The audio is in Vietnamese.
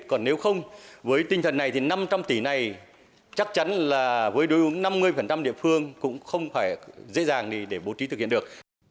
còn nếu không với tinh thần này thì năm trăm linh tỷ này chắc chắn là với đối ứng năm mươi địa phương cũng không phải dễ dàng để bố trí thực hiện được